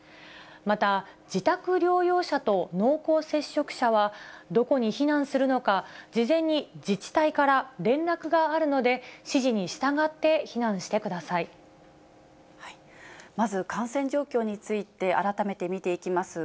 また、自宅療養者と濃厚接触者は、どこに避難するのか、事前に自治体から連絡があるので、まず感染状況について、改めて見ていきます。